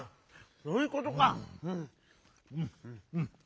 そういうことか！